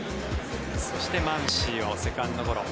そしてマンシーをセカンドゴロ。